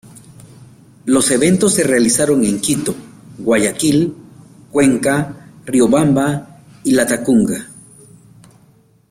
Los eventos se realizaron en Quito, Guayaquil, Cuenca, Riobamba y Latacunga.